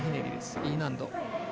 Ｅ難度。